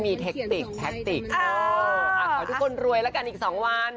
แทคติกแทคติกขอทุกคนรวยละกันอีก๒วัน